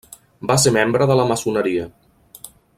Va ser membre de la maçoneria.